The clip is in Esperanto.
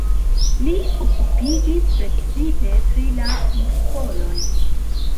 Li okupiĝis precipe pri la muskoloj.